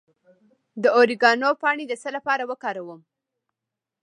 د اوریګانو پاڼې د څه لپاره وکاروم؟